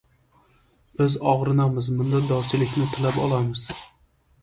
Biz og‘rinamiz. Minnatdorchilikni tilab olamiz.